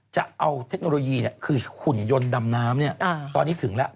จะเอาเทคโนโลยีคือหุ่นยนต์ดำน้ำตอนนี้ถึงแล้ว